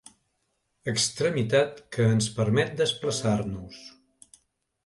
Extremitat que ens permet desplaçar-nos.